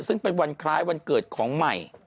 ซึ่งเป็นวันคล้ายวันเกิดของใหม่